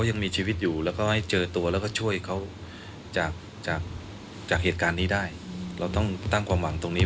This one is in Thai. ยังไม่พบชนวนเหตุของการก่อเหตุในครั้งนี้